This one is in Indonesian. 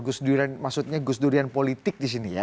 gusdurian maksudnya gusdurian politik di sini ya